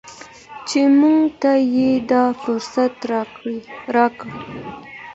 چې موږ ته یې دا فرصت راکړ.